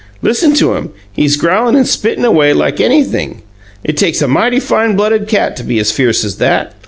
"Listen to him! He's growlin' and spittin' away like anything! It takes a mighty fine blooded cat to be as fierce as that.